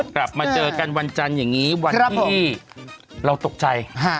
กลับมาเจอกันวันจันทร์อย่างนี้วันที่เราตกใจ